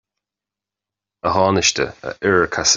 A Thánaiste, a Oirirceasa